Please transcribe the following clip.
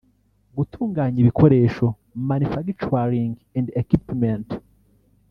Gutunganya ibikoresho (manufacturing and equipment)